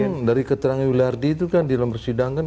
kan dari keterangan wilardi itu kan di lembar sidang kan